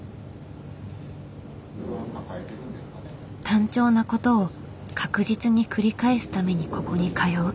単調なことを確実に繰り返すためにここに通う。